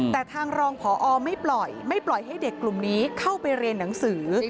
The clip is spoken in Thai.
แต่ทางรองพอไม่ปล่อยไม่ปล่อยให้เด็กกลุ่มนี้เข้าไปเรียนหนังสือ